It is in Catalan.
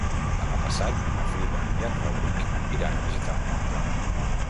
Demà passat na Frida i en Rauric iran a visitar mon oncle.